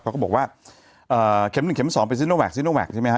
เขาก็บอกว่าเข็ม๑เข็ม๒เป็นซิโนแวคซิโนแวคใช่ไหมฮะ